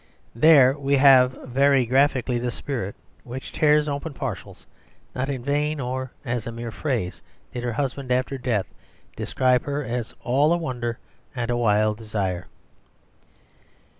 There we have very graphically the spirit which tears open parcels. Not in vain, or as a mere phrase, did her husband after her death describe her as "all a wonder and a wild desire."